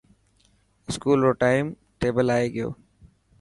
اسڪول رو ٽائم ٽيبل آي گيو.